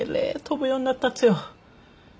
飛ぶようになったとよ。